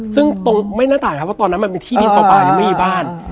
ซึ่งตรงตรงไม่น่าต่างครับตอนนั้นมันเป็นที่บินต่อตายไม่มีบ้าน